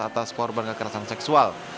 atas korban kekerasan seksual